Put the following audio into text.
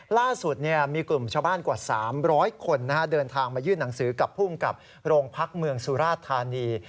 ล่าสุดมีกลุ่มชาวบ้านกว่า๓๐๐คนเดินทางมายื่นหนังสือกับภูมิกับโรงพักเมืองสุราชธานี